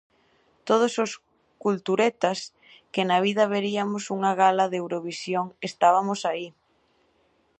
Todos os "culturetas" que na vida veriamos unha gala de Eurovisión estabamos aí...!